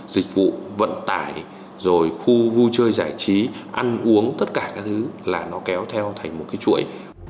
dịch vụ vận tải rồi khu vui chơi giải trí ăn uống tất cả các thứ là nó kéo theo thành một cái chuỗi